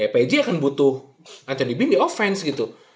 ya p j akan butuh anthony bean di offense gitu